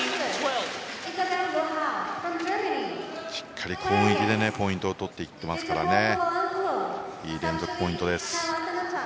しっかり攻撃でポイントを取っていっていますからいい連続ポイントです。